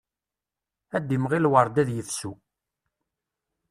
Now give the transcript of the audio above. Ad d-imɣi lweṛd ad yefsu.